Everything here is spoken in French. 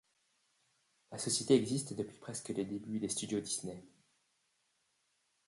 La société existe depuis presque les débuts des studios Disney.